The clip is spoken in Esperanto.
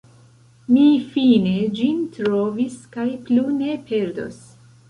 Mi fine ĝin trovis kaj plu ne perdos!